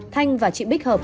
thanh và chị bích hợp